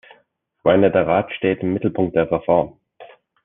Ich meine, der Rat steht im Mittelpunkt der Reform.